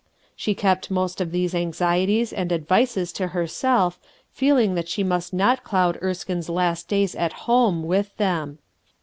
She kept most of these anxieties and advices to her self, feeling that she must not cloud Erskine 's last days at home with them.